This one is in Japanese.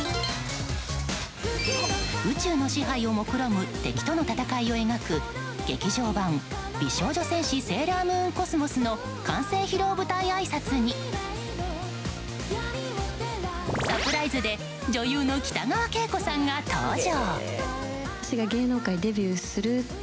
宇宙の支配をもくろむ敵との戦いを描く劇場版「美少女戦士セーラームーンＣｏｓｍｏｓ」の完成披露舞台あいさつにサプライズで女優の北川景子さんが登場。